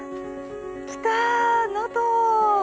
来たー、能登。